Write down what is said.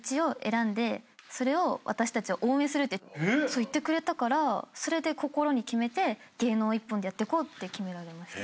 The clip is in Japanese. そう言ってくれたからそれで心に決めて芸能一本でやってこうって決められました。